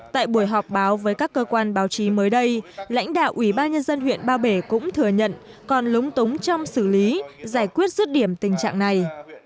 tại buổi họp báo với các cơ quan báo chí mới đây lãnh đạo ủy ban nhân dân huyện ba bể cũng thừa nhận còn lúng túng trong xử lý giải quyết rứt điểm tình trạng này